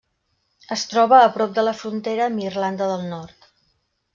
Es troba a prop de la frontera amb Irlanda del Nord.